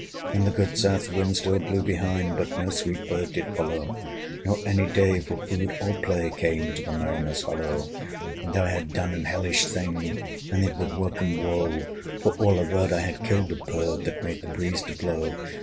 And the good south wind still blew behind But no sweet bird did follow, Nor any day for food or play Came to the mariners' hollo! And I had done an hellish thing, And it would work 'em woe: For all averred, I had killed the bird That made the breeze to blow.